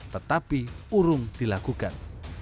tetapi urung dilakukan